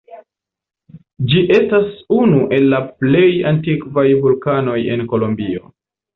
Ĝi estas unu el la plej aktivaj vulkanoj en Kolombio.